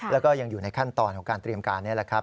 แล้วก็ยังอยู่ในขั้นตอนของการเตรียมการนี่แหละครับ